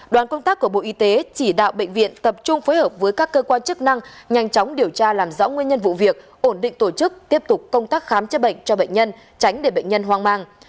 đoàn công tác của bộ y tế chỉ đạo bệnh viện tập trung phối hợp với các cơ quan chức năng nhanh chóng điều tra làm rõ nguyên nhân vụ việc ổn định tổ chức tiếp tục công tác khám chữa bệnh cho bệnh nhân tránh để bệnh nhân hoang mang